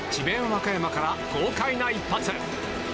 和歌山から豪快な一発。